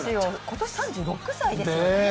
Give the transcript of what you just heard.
今年３６歳ですよ。